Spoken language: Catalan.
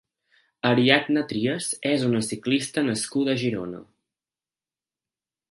Ariadna Trias és una ciclista nascuda a Girona.